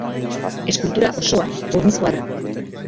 Eskultura osoa burnizkoa da.